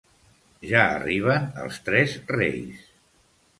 Ja arriben els tres Reis